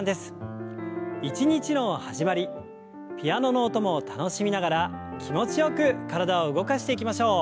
一日の始まりピアノの音も楽しみながら気持ちよく体を動かしていきましょう。